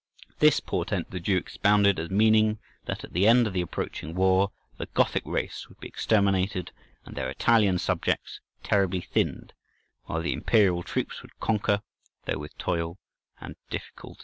This portent the Jew expounded as meaning that at the end of the approaching war the Gothic race would be exterminated and their Italian subjects terribly thinned, while the Imperial troops would conquer, though with toil and difficult.